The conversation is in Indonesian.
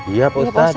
iya pak ustadz